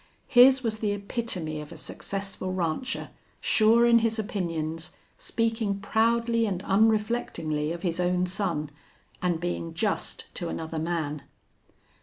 His was the epitome of a successful rancher, sure in his opinions, speaking proudly and unreflectingly of his own son, and being just to another man.